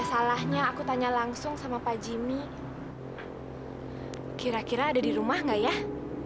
mama yang melahirin kamu tau gak